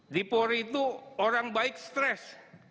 di polri itu orang baik stres